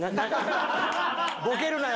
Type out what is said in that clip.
ボケるなよ。